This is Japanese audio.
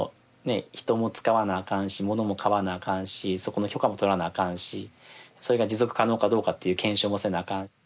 人も使わなあかんしものも買わなあかんしそこの許可も取らなあかんしそれが持続可能かどうかっていう検証もせなあかん。